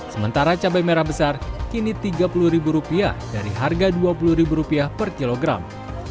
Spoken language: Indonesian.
sementara cabai merah besar kini rp tiga puluh dari harga rp dua puluh per kilogram